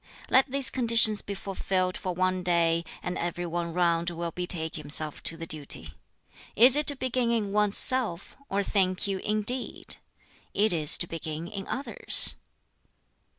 Let these conditions be fulfilled for one day, and every one round will betake himself to the duty. Is it to begin in one's self, or think you, indeed! it is to begin in others?"